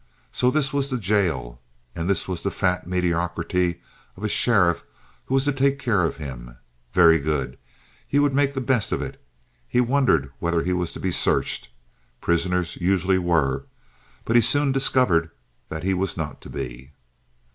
So this was the jail, and this was the fat mediocrity of a sheriff who was to take care of him. Very good. He would make the best of it. He wondered whether he was to be searched—prisoners usually were—but he soon discovered that he was not to be.